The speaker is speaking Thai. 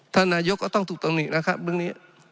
ท่านนายก็ต้องถูกตรงนี้นะครับเรื่องนี้